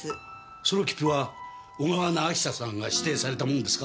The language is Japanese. その切符は小川長久さんが指定されたものですか？